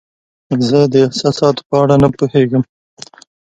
زه د احساساتو په اړه نه پوهیږم.